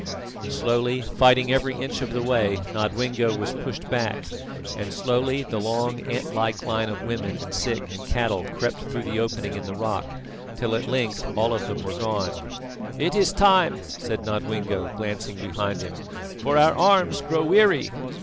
Slowly, fighting, every inch of the way, Nodwengo was pushed back, and slowly the long ant like line of women and sick and cattle crept through the opening in the rock, till at length all of them were gone. "It is time," said Nodwengo, glancing behind him, "for our arms grow weary."